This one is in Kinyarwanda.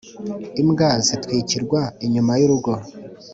imbwa zitwikirwa inyuma y urugo